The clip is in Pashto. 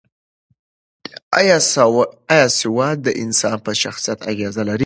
ایا سواد د انسان په شخصیت اغېز لري؟